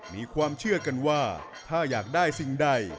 มีความเชื่อกันว่าถ้าอยากได้สิ่งใด